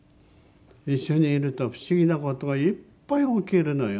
一緒にいると不思議な事がいっぱい起きるのよ。